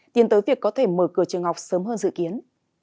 tiến tới việc có thể mở cửa trường học sớm hơn dự kiến